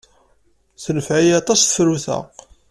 Tenfeɛ-iyi aṭas tefrut-a.